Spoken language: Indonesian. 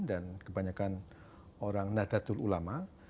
dan kebanyakan orang nadatul ulama